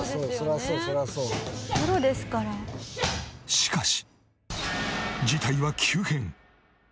しかし。